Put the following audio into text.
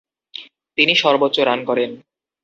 তিনি সর্বোচ্চ রান করেন।